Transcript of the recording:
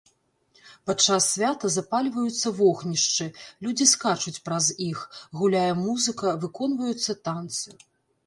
Падчас свята запальваюцца вогнішчы, людзі скачуць праз іх, гуляе музыка, выконваюцца танцы.